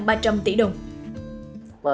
và đây là một nhiệm vụ